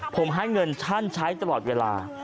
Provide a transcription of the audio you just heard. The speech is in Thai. ผมให้เงินท่านใช้ตลอดเวลา